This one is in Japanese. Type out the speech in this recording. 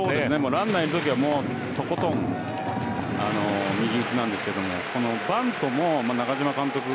ランナーいるときは、とことん右打ちなんですけれどもバントも中嶋監督